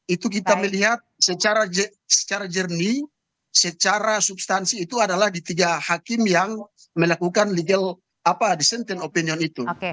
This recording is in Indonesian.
itu kita melihat secara jernih secara substansi itu adalah di tiga hakim yang melakukan legal dissenting opinion itu